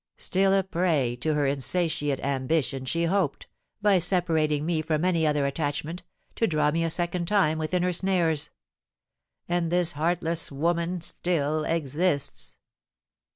Still a prey to her insatiate ambition, she hoped, by separating me from any other attachment, to draw me a second time within her snares. And this heartless woman still exists."